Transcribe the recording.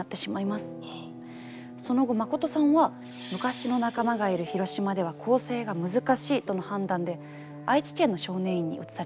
その後マコトさんは昔の仲間がいる広島では更生が難しいとの判断で愛知県の少年院に移されました。